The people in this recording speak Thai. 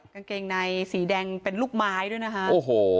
กางเกงในสีแดงเป็นลูกไม้ด้วยนะคะโอ้โห